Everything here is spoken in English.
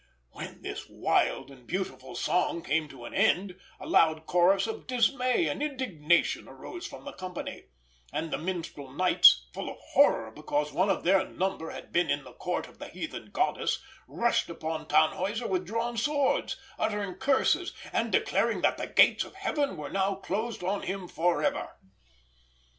When his wild and beautiful song came to an end, a loud chorus of dismay and indignation arose from the company, and the minstrel knights, full of horror because one of their number had been in the Court of the heathen goddess, rushed upon Tannhäuser with drawn swords, uttering curses, and declaring that the gates of Heaven were now closed on him for ever.